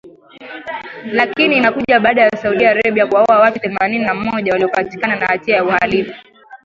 Lakini inakuja baada ya Saudi Arabia kuwaua watu themanini na moja waliopatikana na hatia ya uhalifu